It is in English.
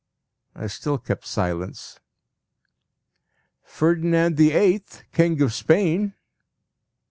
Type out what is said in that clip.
I still kept silence. "Ferdinand the Eighth, King of Spain!"